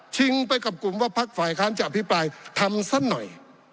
ไปกับกลุ่มว่าพักฝ่ายค้านจะอภิปรายทำซะหน่อย